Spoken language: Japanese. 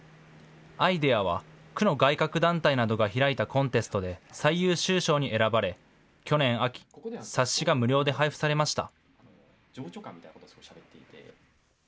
アイデアは区の外郭団体などが開いたコンテストで最優秀賞に選ばれ、去年秋、冊子が無料で配布されました。